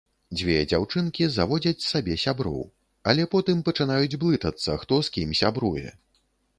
Дзве дзяўчынкі заводзяць сабе сяброў, але потым пачынаюць блытацца, хто з кім сябруе.